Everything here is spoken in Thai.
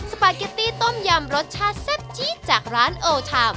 ปาเกตตี้ต้มยำรสชาติแซ่บจี๊ดจากร้านโอทาม